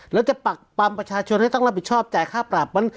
แล้วจะปักปำประชาชนให้ต้องรับผิดชอบจ่ายค่าปรับ